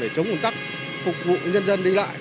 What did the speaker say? chống ủn tắc phục vụ nhân dân đi lại